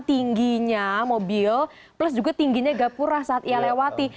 tingginya mobil plus juga tingginya gapura saat ia lewati